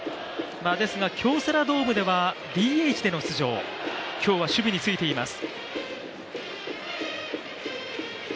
ですが京セラドームではＤＨでの出場、今日は守備についています。